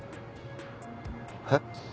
えっ？